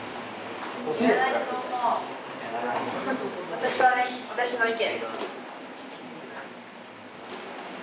・私はね私の意見。